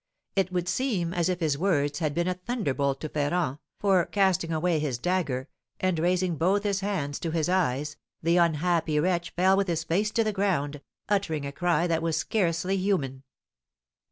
It would seem as if his words had been a thunderbolt to Ferrand, for, casting away his dagger, and raising both his hands to his eyes, the unhappy wretch fell with his face to the ground, uttering a cry that was scarcely human.